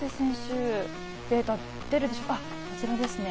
こちらですね。